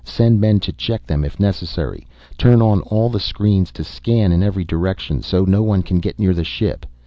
Send men to check them if necessary. Turn on all the screens to scan in every direction, so no one can get near the ship.